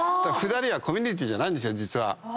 ２人はコミュニティーじゃないんですよ実は。